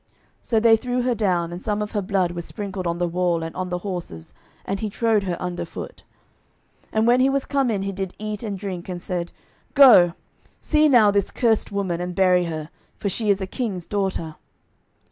So they threw her down: and some of her blood was sprinkled on the wall, and on the horses: and he trode her under foot. 12:009:034 And when he was come in, he did eat and drink, and said, Go, see now this cursed woman, and bury her: for she is a king's daughter.